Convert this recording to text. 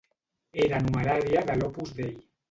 Era numerària de l'Opus Dei.